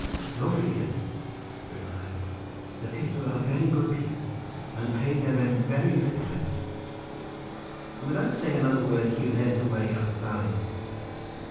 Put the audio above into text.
"No fear," he replied, "the people are very good people, and pay their rent very regularly," and without saying another word he led the way up the valley.